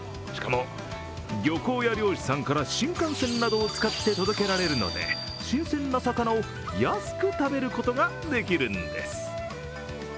しかも、漁港や漁師さんから新幹線などを使って届けられるので新鮮な魚を安く食べることができるんです。